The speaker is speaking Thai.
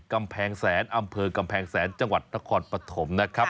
กำแพงแสนอำเภอกำแพงแสนจังหวัดทะคอนปฐม